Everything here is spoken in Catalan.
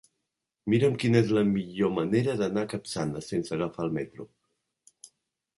Mira'm quina és la millor manera d'anar a Capçanes sense agafar el metro.